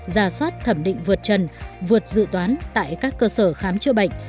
giả soát thẩm định vượt trần vượt dự toán tại các cơ sở khám chữa bệnh